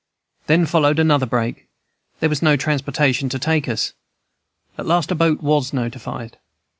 "Then followed another break; there was no transportation to take us. At last a boat was notified.